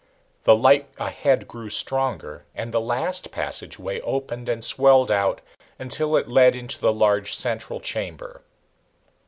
The light ahead grew stronger, and the last passageway opened and swelled out until it led into the large central chamber.